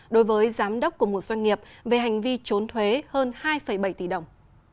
đối với giám đốc của một doanh nghiệp về hành vi trốn thuế hơn hai bảy tỷ đồng